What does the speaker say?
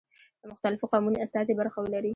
د مختلفو قومونو استازي برخه ولري.